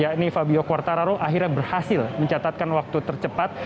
yakni fabio quartararo akhirnya berhasil mencatatkan waktu tercepat